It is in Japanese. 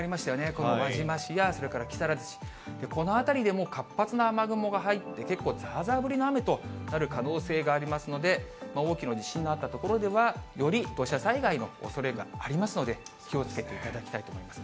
この輪島市や、それから木更津市、この辺りでも活発な雨雲が入って、結構ざーざー降りの雨となる可能性がありますので、大きな地震のあった所では、より土砂災害のおそれがありますので、気をつけていただきたいと思います。